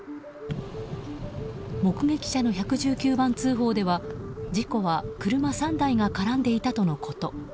目撃者の１１９番通報では事故は車３台が絡んでいたとのこと。